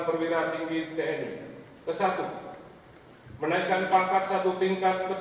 pertemuan tahun dua ribu empat belas dua ribu sembilan belas